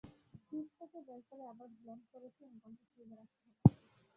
Fridge থেকে বের করে আবার ব্লেন্ড করে তিন ঘণ্টা ফ্রিজে রাখতে হবে।